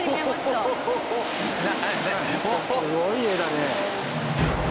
すごい画だね！